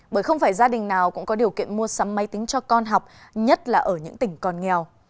bởi không phải gia đình nào cũng có điều kiện mua sắm máy tính cho con học nhất là ở những tỉnh còn nghèo